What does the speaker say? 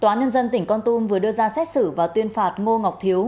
tòa nhân dân tỉnh con tum vừa đưa ra xét xử và tuyên phạt ngô ngọc thiếu